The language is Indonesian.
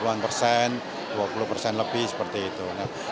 dua puluh an persen dua puluh persen lebih seperti itu